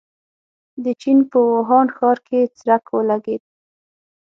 د چين په ووهان ښار کې څرک ولګېد.